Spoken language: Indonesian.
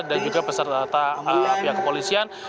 dan juga peserta pihak kepolisian